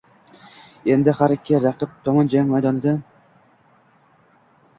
Endi har ikki raqib tomon jang maydonida.